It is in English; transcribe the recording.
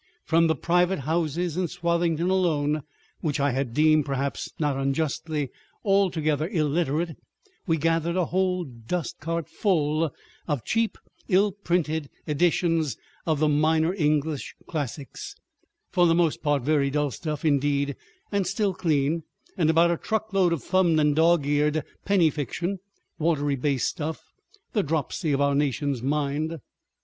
From the private houses in Swathinglea alone—which I had deemed, perhaps not unjustly, altogether illiterate—we gathered a whole dust cart full of cheap ill printed editions of the minor English classics—for the most part very dull stuff indeed and still clean—and about a truckload of thumbed and dog eared penny fiction, watery base stuff, the dropsy of our nation's mind.